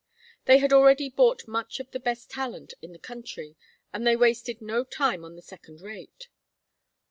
They had already bought much of the best talent in the country, and they wasted no time on the second rate.